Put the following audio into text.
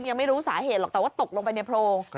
ยังไม่รู้สาเหตุหรอกแต่ว่าตกลงไปในโพรง